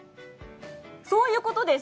そういうことです。